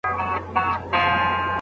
غلامان دي د بل غولي ته روزلي